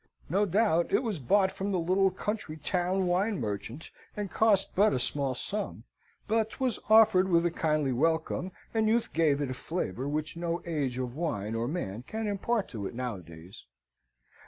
No doubt it was bought from the little country town wine merchant, and cost but a small sum; but 'twas offered with a kindly welcome, and youth gave it a flavour which no age of wine or man can impart to it nowadays.